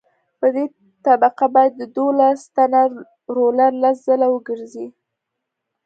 په دې طبقه باید دولس ټنه رولر لس ځله وګرځي